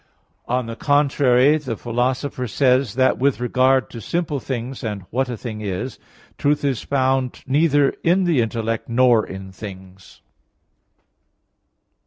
On the contrary, the Philosopher says (Metaph. vi) that with regard to simple things and "what a thing is," truth is "found neither in the intellect nor in things."